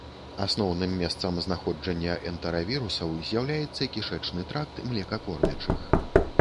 Асноўным месцам знаходжання энтэравірусаў з'яўляецца кішэчны тракт млекакормячых.